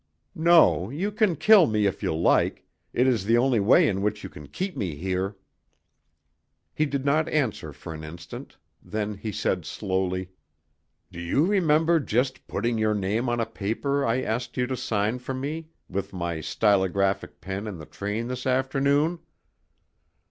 No, you can kill me if you like; it is the only way in which you can keep me here." He did not answer for an instant, then he said slowly, "Do you remember just putting your name on a paper I asked you to sign for me with my stylographic pen in the train this afternoon?